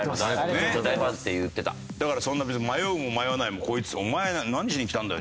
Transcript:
だからそんな別に迷うも迷わないも「お前何しに来たんだよ？